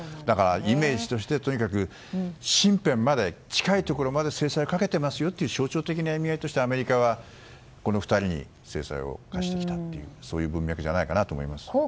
だからイメージとしてとにかく身辺近いところまで制裁をかけてますよという象徴的な意味合いとしてアメリカは、この２人に制裁を科してきたという文脈じゃないかなと思います。